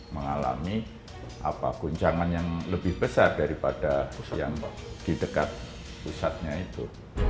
mengalami guncangan yang lebih besar daripada yang di dekat pusatnya itu